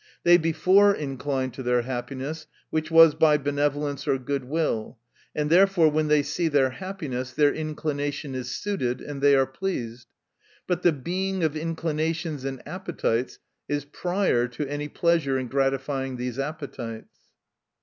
— They before inclined to their happiness ; which was by benevolence or good will ; and therefore when they see their happiness, their THE NATURE OF VIRTUE. 279 inclination is suited, and they are pleased. But the Being of inclinations and appetites is prior to any pleasure in gratifying these appetites.